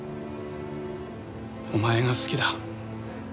お前が好きだ。